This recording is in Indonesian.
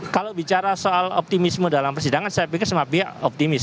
kalau bicara soal optimisme dalam persidangan saya pikir semua pihak optimis